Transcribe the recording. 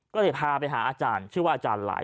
ก็เลยพาไปหาอาจารย์ชื่อว่าอาจารย์หลาย